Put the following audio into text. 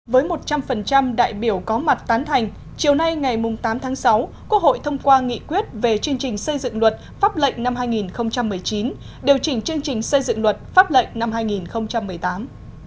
với một trăm linh đại biểu có mặt tán thành chiều nay ngày tám tháng sáu quốc hội thông qua nghị quyết về chương trình xây dựng luật pháp lệnh năm hai nghìn một mươi chín điều chỉnh chương trình xây dựng luật pháp lệnh năm hai nghìn một mươi tám